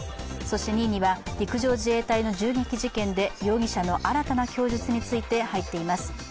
２位には陸上自衛隊の銃撃事件で、容疑者の新たな供述について入っています。